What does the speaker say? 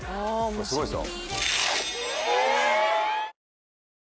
すごいですよ。